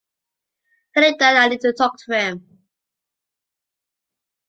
Tell him that I need to talk to him.